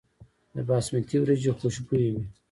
د باسمتي وریجې خوشبويه وي.